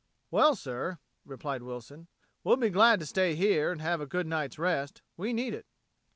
"Well, sir," replied Wilson, "we'll be glad to stay here and have a good night's rest. We need it."